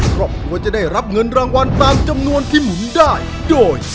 ครอบครัวจะได้รับเงินรางวัลตามจำนวนที่หมุนได้โดย